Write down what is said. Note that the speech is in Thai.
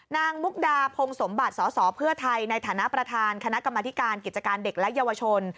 มุกดาพงสมบัติสสเพื่อไทยในฐานะประธานคณะกรรมธิการกิจการเด็กและเยาวชน